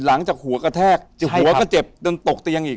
หลังจากหัวกระแทกหัวก็เจ็บจนตกเตียงอีก